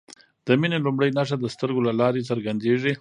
د مینې لومړۍ نښه د سترګو له لارې څرګندیږي.